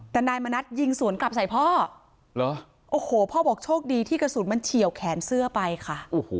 แต่นายมณัฐยิงสวนกลับใส่พ่อเหรอโอ้โหพ่อบอกโชคดีที่กระสุนมันเฉียวแขนเสื้อไปค่ะ